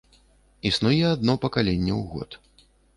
Існуе адно пакаленне ў год.